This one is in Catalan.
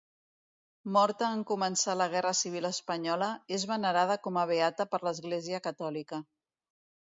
Morta en començar la Guerra Civil espanyola, és venerada com a beata per l'Església catòlica.